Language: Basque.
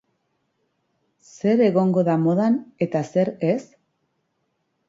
Zer egongo da modan eta zer ez?